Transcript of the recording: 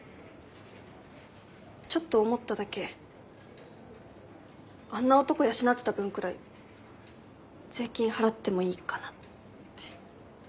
ちょっと思っただけあんな男養ってた分くらい税金払ってもいいかなって